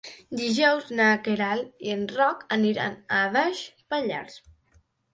Dijous na Queralt i en Roc aniran a Baix Pallars.